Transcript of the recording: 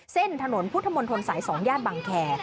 เส้นถนนพุทธมนต์ธนสัย๒ญาติบังแค